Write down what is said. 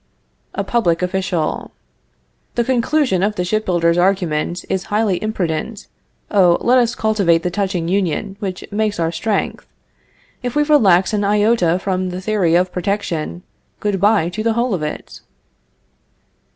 "A Public Official. The conclusion of the ship builder's argument is highly imprudent. Oh, let us cultivate the touching union which makes our strength; if we relax an iota from the theory of protection, good bye to the whole of it.